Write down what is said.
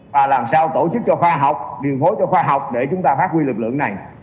và làm sao tổ chức cho khoa học điều phối cho khoa học để chúng ta phát huy lực lượng này